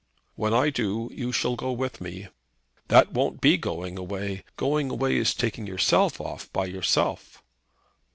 "When I do you shall go with me." "That won't be going away. Going away is taking yourself off, by yourself."